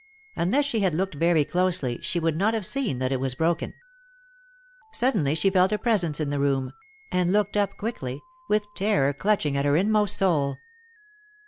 Unless she had looked very closely she would not have seen that it was broken. Suddenly she felt a Presence in the room, and looked up quickly, with terror clutching at her inmost soul.